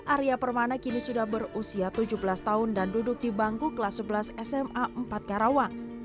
arya permana kini sudah berusia tujuh belas tahun dan duduk di bangku kelas sebelas sma empat karawang